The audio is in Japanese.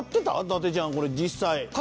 伊達ちゃんこれ実際。